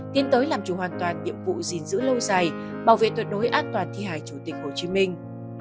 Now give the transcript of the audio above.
tiến tới làm chủ hoàn toàn nhiệm vụ gìn giữ lâu dài bảo vệ tuyệt đối an toàn thi hài chủ tịch hồ chí minh